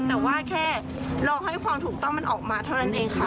แต่ว่าแค่รอให้ความถูกต้องมันออกมาเท่านั้นเองค่ะ